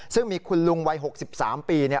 ซึ่งมีคุณลุงวัย๖๓ปี